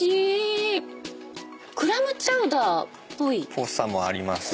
ぽさもありますね。